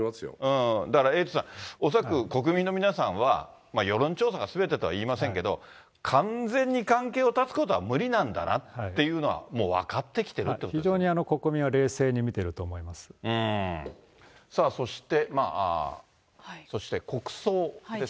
だから、エイトさん、恐らく国民の皆さんは、世論調査がすべてとはいいませんけど、完全に関係を断つことは無理なんだっていうのはもう分かってきて非常に国民は冷静に見てるとさあ、そして国葬ですね。